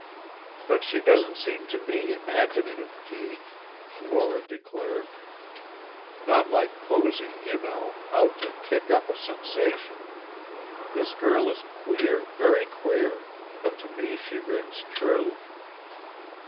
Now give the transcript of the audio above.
"But she doesn't seem to me imaginative, Kee," Lora declared. "Not like Posy, you know, out to kick up a sensation. This girl is queer, very queer, but to me she rings true."